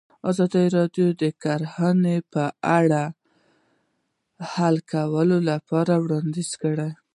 ازادي راډیو د کرهنه په اړه د حل کولو لپاره وړاندیزونه کړي.